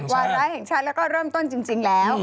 วาระแห่งชาติแล้วก็เริ่มต้นจริงแล้ว